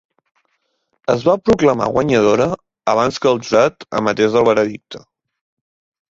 Es va proclamar guanyadora abans que el jurat emetés el veredicte.